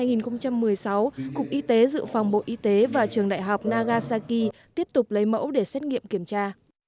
giới dự phòng bộ y tế và trường đại học nagasaki tiếp tục lấy mẫu để xét nghiệm kiểm tra